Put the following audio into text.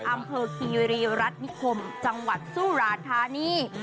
อำเภอคีรีรัฐนิคมจังหวัดสุราธานี